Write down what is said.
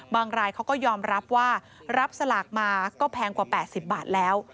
รายเขาก็ยอมรับว่ารับสลากมาก็แพงกว่า๘๐บาทแล้ว